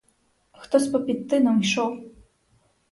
Хтось попід тином ішов.